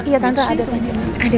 iya tante ada di sini